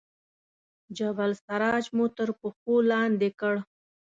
جبل السراج مو تر پښو لاندې کړ.